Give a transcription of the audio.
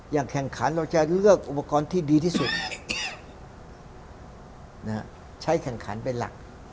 แข่งขันเราจะเลือกอุปกรณ์ที่ดีที่สุดใช้แข่งขันเป็นหลัก